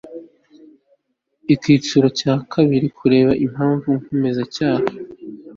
akiciro ka mbere kerebe impamvu nkomezacyaha